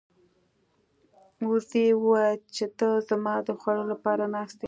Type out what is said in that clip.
وزې وویل چې ته زما د خوړلو لپاره ناست یې.